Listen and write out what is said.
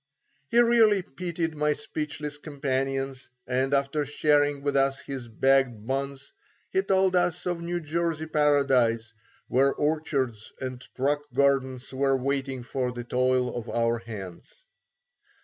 He really pitied my speechless companions and after sharing with us his begged buns, he told us of the New Jersey paradise where orchards and truck gardens were waiting for the toil of our hands.